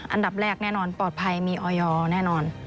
อันดับแรกแน่นอนปลอดภัยมีออยอร์แน่นอน